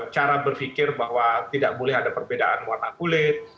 cara berpikir bahwa tidak boleh ada perbedaan warna kulit